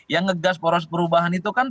yang ngegas poros perubahan itu kan